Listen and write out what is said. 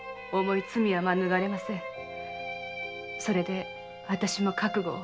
それで私も覚悟を。